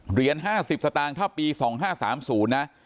เหรียญ๕๐สตางค์ถ้าปี๒๕๓๐นะ